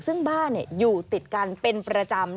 ซึ่งบ้านอยู่ติดกันเป็นประจำ